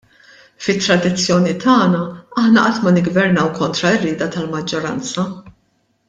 Fit-tradizzjoni tagħna, aħna qatt ma niggvernaw kontra r-rieda tal-maġġoranza.